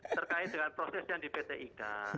terkait dengan proses yang di pt ika